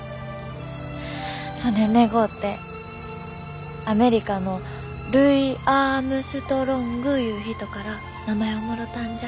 そねん願うてアメリカのルイ・アームストロングいう人から名前をもろたんじゃ。